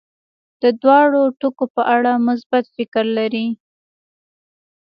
د دواړو ټکو په اړه مثبت فکر لري.